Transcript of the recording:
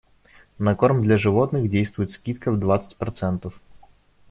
На корм для животных действует скидка в двадцать процентов.